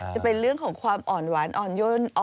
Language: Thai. จะเป็นเรื่องของความอ่อนหวานอ่อนย่น